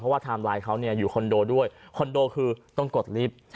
ไทม์ไลน์เขาอยู่คอนโดด้วยคอนโดคือต้องกดลิฟต์